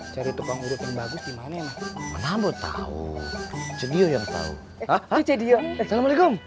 cari tukang urut yang bagus dimana enak nambah tahu studio yang tahu ha ha ha salamualaikum